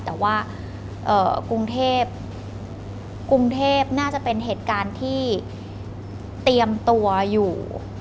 แต่ว่ากรุงเทพกรุงเทพน่าจะเป็นเหตุการณ์ที่เตรียมตัวอยู่